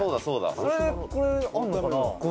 「それでこれあるのかな？」